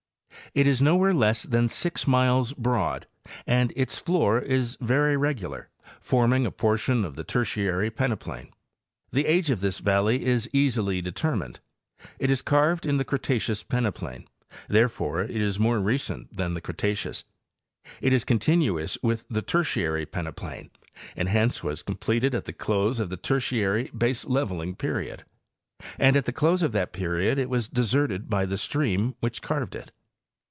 It is nowhere less than six miles broad, and its floor is very regular, forming a portion of the Tertiary peneplain. The age of this valley is easily determined; it is carved in the Cretaceous peneplain ; therefore it is more recent than the Cretaceous; it is continuous with the Tertiary pene plain, and hence was completed at the close of the Tertiary base leveling period; and at the close of that period it was deserted by the stream which carved it.